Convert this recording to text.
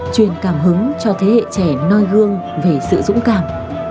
truyền cảm hứng cho thế hệ trẻ noi gương về sự dũng cảm